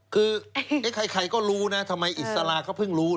คือใครก็รู้นะทำไมอิสระเขาเพิ่งรู้